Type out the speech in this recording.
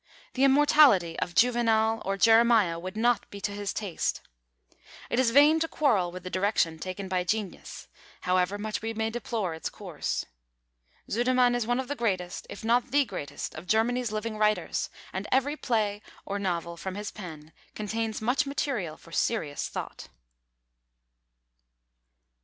The immortality of Juvenal or Jeremiah would not be to his taste." It is vain to quarrel with the direction taken by genius; however much we may deplore its course. Sudermann is one of the greatest, if not the greatest, of Germany's living writers, and every play or novel from his pen contains much material for serious thought.